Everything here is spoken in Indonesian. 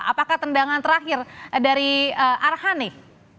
apakah tendangan terakhir dari arhani